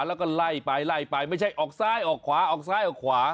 แล้วก็ไล่ไปไม่ใช่ออกซ้ายออกขวา